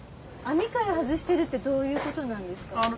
網から外してるってどういうことなんですか？